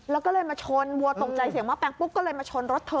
แล้วก็เลยมาชนวัวตกใจเสียงห้อแปลงปุ๊บก็เลยมาชนรถเธอ